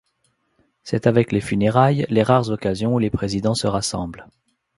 C'est avec les funérailles les rares occasions où les présidents se rassemblent.